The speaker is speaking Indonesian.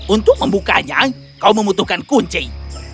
untuk membukanya kau membutuhkan kunci